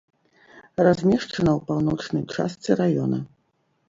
Размешчана ў паўночнай частцы раёна.